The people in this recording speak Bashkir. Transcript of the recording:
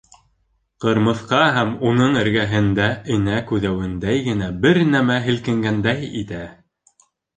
— Ҡырмыҫҡа һәм уның эргәһендә энә күҙәүендәй генә бер нәмә һелкенгәндәй итә.